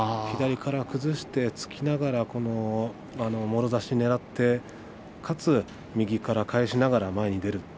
左から崩して突きながらもろ差しをねらってかつ右から返しながら前に出る。